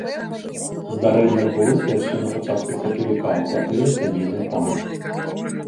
Здарэнне адбылося яшчэ на пачатку сакавіка ў кватэры сямейнай пары.